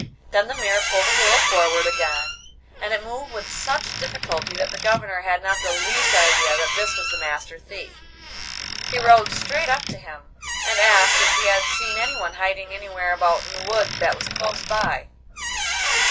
Then the mare pulled a little forward again, and it moved with such difficulty that the Governor had not the least idea that this was the Master Thief. He rode straight up to him, and asked if he had seen anyone hiding anywhere about in a wood that was close by.